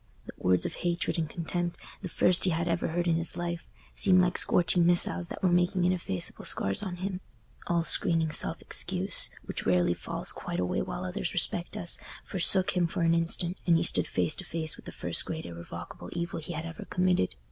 The words of hatred and contempt—the first he had ever heard in his life—seemed like scorching missiles that were making ineffaceable scars on him. All screening self excuse, which rarely falls quite away while others respect us, forsook him for an instant, and he stood face to face with the first great irrevocable evil he had ever committed.